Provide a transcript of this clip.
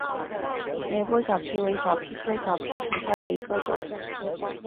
雷波小檗为小檗科小檗属下的一个种。